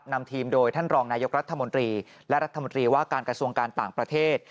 นำทีมโดยท่านรองนายกรัฐมนตรีและรัฐมนตรีว่าการกระทรวงการต่างประเทศ